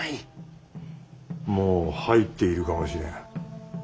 もう入っているかもしれん。